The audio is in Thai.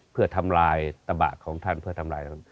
เพื่อทำลายตะบะของท่านเพื่อทำลาย